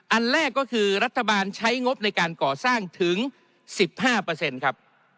อันแรกก็คือรัฐบาลใช้งบในการก่อสร้างถึง๑๕ครับ